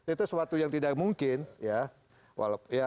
itu suatu yang tidak mungkin ya